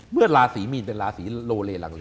เมื่อลาศรีมีนเป็นลาศรีโลเลลังเล